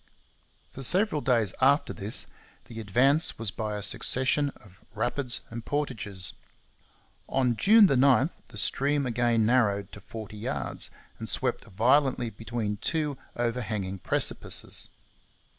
For several days after this the advance was by a succession of rapids and portages. On June 9 the stream again narrowed to forty yards and swept violently between two overhanging precipices.